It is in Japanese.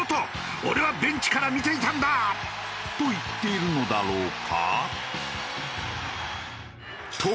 「俺はベンチから見ていたんだ！」と言っているのだろうか？